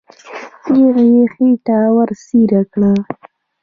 تیغ یې خېټه ورڅېړې کړه.